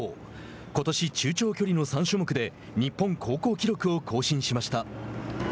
ことし、中長距離の３種目で日本高校記録を更新しました。